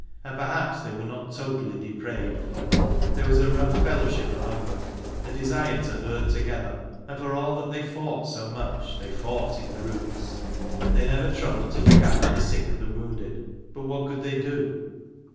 And perhaps they were not totally depraved. There was a rough fellowship among them, a desire to herd together; and for all that they fought so much, they fought in groups. They never troubled OUTSIDE 27 to look after the sick and the wounded, but what could they do?